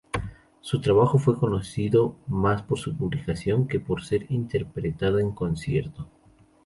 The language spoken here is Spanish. Su trabajo fue conocido más por su publicación que por ser interpretado en concierto.